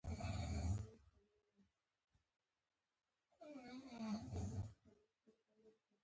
اشرافو سیاست او اقتصاد دواړه انحصار کړي وو.